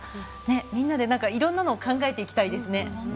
みんなでいろんなのを考えていきたいですね。